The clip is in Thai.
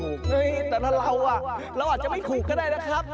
เฮ้ยแต่ถ้าเราเราอาจจะไม่ถูกก็ได้นะครับ